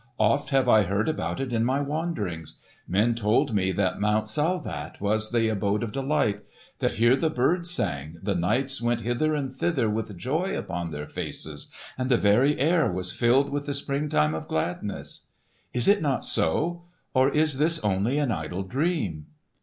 Oft have I heard about it in my wanderings. Men told me that Mount Salvat was the abode of delight; that here the birds sang, the knights went hither and thither with joy upon their faces, and the very air was filled with the spring time of gladness. Is it not so; or is this only an idle dream?"